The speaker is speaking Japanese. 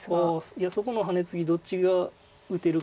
いやそこのハネツギどっちが打てるか。